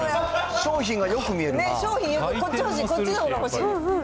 商品よく、こっちのほうが欲しい。